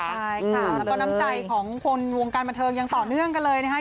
ใช่ค่ะแล้วก็น้ำใจของคนวงการบันเทิงยังต่อเนื่องกันเลยนะคะ